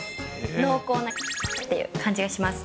濃厚な×××っていう感じがします。